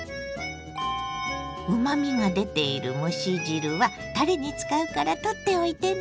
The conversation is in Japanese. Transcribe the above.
うまみが出ている蒸し汁はたれに使うから取っておいてね。